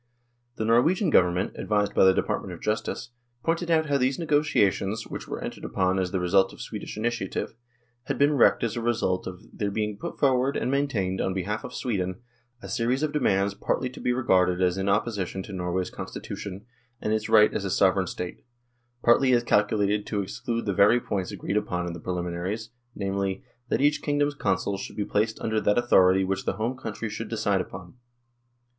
The Norwegian Govern ment, advised by the Department of Justice, pointed out how these negotiations, which were entered upon as the result of Swedish initiative, had been wrecked as a result of " there being put forward, and maintained, on behalf of Sweden, a series of demands partly to be regarded as in opposition to Norway's Constitution and its right as a Sovereign State, partly as calculated to exclude the very points agreed upon in the preliminaries, namely, that each kingdom's Consuls should be placed under that authority which the home country should decide upon.